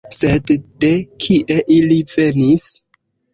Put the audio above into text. Sed de kie ili venis?